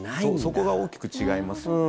そこが大きく違いますよね。